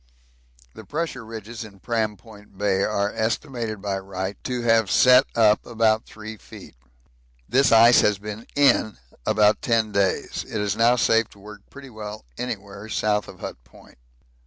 The pressure ridges in Pram Point Bay are estimated by Wright to have set up about 3 feet. This ice has been 'in' about ten days. It is now safe to work pretty well anywhere south of Hut Point.